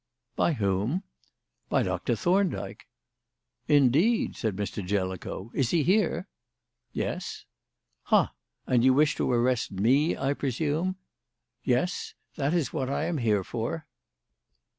"By whom?" "By Doctor Thorndyke." "Indeed," said Mr. Jellicoe. "Is he here?" "Yes." "Ha! And you wish to arrest me, I presume?" "Yes. That is what I am here for."